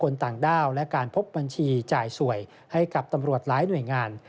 ต่างด้าวและการพบบัญชีจ่ายสวยให้กับตำรวจหลายหน่วยงาน